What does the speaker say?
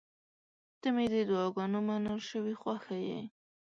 • ته مې د دعاګانو منل شوې خوښه یې.